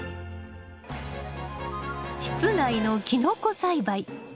室内のキノコ栽培。